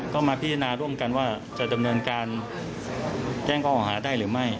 ก็มาพิจารณาร่วมกันว่าจะดำเนินการแจ้งข้อหาได้หรือไม่